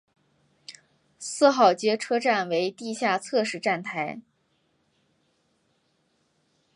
四号街车站为地下侧式站台。